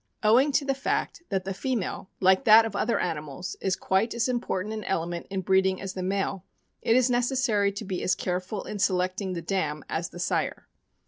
Owing to the fact that the female, like that of other animals, is quite as important an element in breeding as the male, it is necessary to be as careful in selecting the dam as the sire.